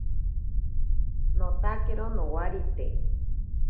Notakero nowarite.